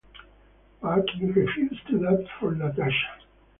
Paakhi refused to dub for Natasha.